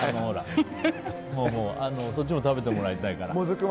そっちも食べてもらいたいから。